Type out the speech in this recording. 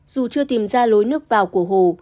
dù chưa tìm ra lối nước vào của hồ